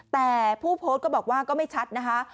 แต่ผู้โพสต์ก็บอกว่าก็ไม่ชัดนะคะ